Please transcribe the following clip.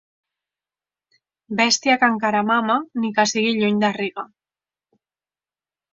Bèstia que encara mama, ni que sigui lluny de Riga.